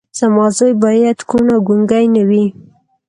زما زوی باید کوڼ او ګونګی نه وي